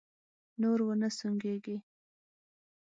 نور و نه سونګېږې!